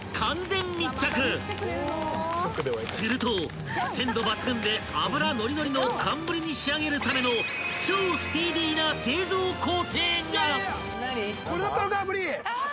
［すると鮮度抜群で脂ノリノリの寒ぶりに仕上げるための超スピーディーな製造工程が！］